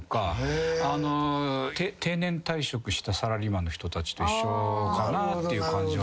定年退職したサラリーマンの人たちと一緒かなという感じがあります。